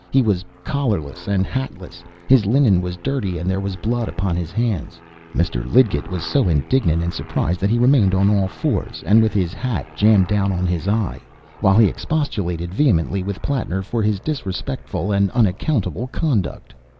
He was collarless and hatless, his linen was dirty, and there was blood upon his hands. Mr. Lidgett was so indignant and surprised that he remained on all fours, and with his hat jammed down on his eye, while he expostulated vehemently with Plattner for his disrespectful and unaccountable conduct.